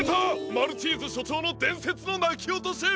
マルチーズしょちょうのでんせつのなきおとし！